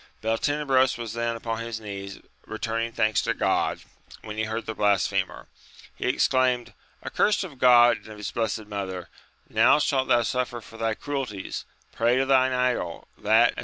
Beltenebros was then upon his knees return ing thanks to God, when he heard the blasphemer, he exclaimed, Accursed of God and of His blessed mother ! now shalt thou suffer for thy cruelties ; pray to thine idol, that, as.